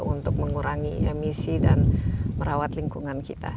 untuk mengurangi emisi dan merawat lingkungan kita